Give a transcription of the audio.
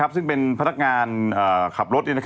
ซึ่งเป็นพนักงานขับรถ